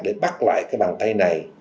để bắt lại cái bàn tay này